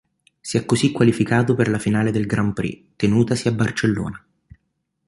Si è così qualificato per la finale del Grand Prix, tenutasi a Barcellona.